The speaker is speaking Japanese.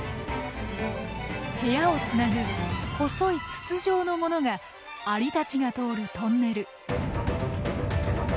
部屋をつなぐ細い筒状の物がアリたちが通るトンネル。